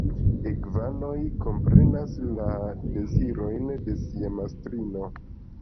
Igvanoj komprenas la dezirojn de sia mastrino.